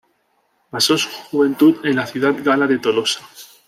Pasó su juventud en la ciudad gala de Tolosa.